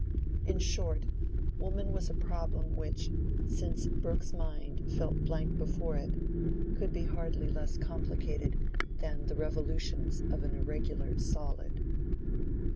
In short, woman was a problem which, since Mr. Brooke's mind felt blank before it, could be hardly less complicated than the revolutions of an irregular solid.